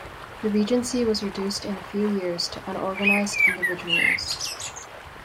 The Regency was reduced in a few years to unorganized individuals.